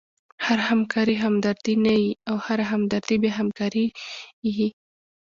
هره همکاري همدردي نه يي؛ خو هره همدردي بیا همکاري يي.